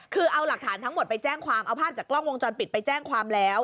คือเอาหลักฐานทั้งหมดไปแจ้งความเอาภาพจากกล้องวงจรปิดไปแจ้งความแล้ว